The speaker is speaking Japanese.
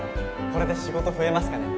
これで仕事増えますかね？